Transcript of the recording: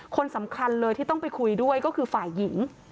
คนสำคัญเลยที่ต้องไปคุยด้วยก็คือฝ่ายหญิง